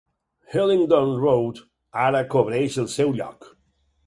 Hillingdon Road ara cobreix el seu lloc.